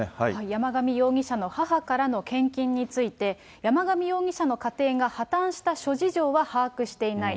山上容疑者の母からの献金について、山上容疑者の家庭が破綻した諸事情は把握していない。